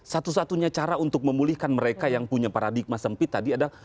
satu satunya cara untuk memulihkan mereka yang punya paradigma sempit tadi adalah